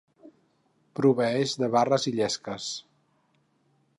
Proveeix de barres i llesques.